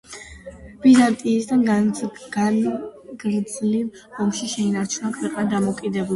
ბიზანტიასთან ხანგრძლივ ომში შეინარჩუნა ქვეყნის დამოუკიდებლობა.